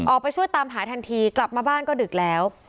ออกไปช่วยตามหาทันทีกลับมาบ้านก็ดึกแล้ว